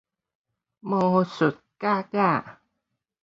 魔術角仔